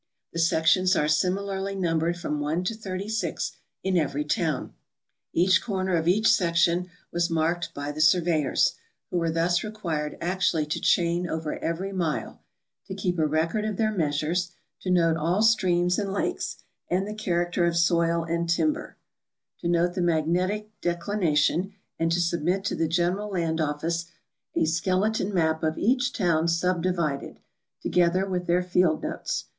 The sections are similarly numbered from 1 to 36 in every town. Each corner of each section was marked by the surveyors, who were thus required actually to chain over every mile, to keep a record of their measures, to note all streams and lakes, and the character of soil and timber ; to note the magnetic declination, and to submit to the General Land Office a skeleton map of each town subdivided, together with their field notes.